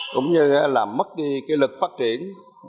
cũng như là mất đi cái lực phát triển